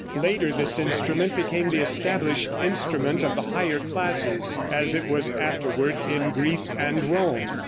Later this instrument became the established instrument of the higher classes, as it was afterward in Greece and Rome.